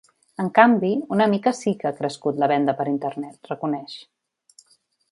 En canvi, “una mica sí que ha crescut la venda per internet”, reconeix.